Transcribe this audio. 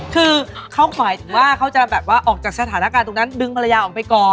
คือเขาหมายถึงว่าเขาจะแบบว่าออกจากสถานการณ์ตรงนั้นดึงภรรยาออกไปก่อน